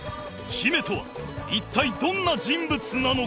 ヒメとは一体どんな人物なのか？